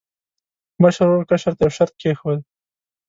مشر ورور کشر ته یو شرط کېښود.